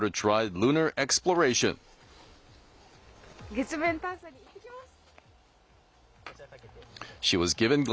月面探査に行ってきます。